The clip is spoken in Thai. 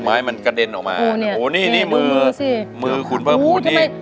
ไม้มันกระเด็นออกมาโอ้นี่มือคุณเพิ่มครูนี่